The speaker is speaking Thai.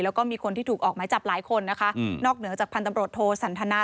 แล้วก็มีคนที่ถูกออกไม้จับหลายคนนะคะนอกเหนือจากพันธบรวจโทสันทนา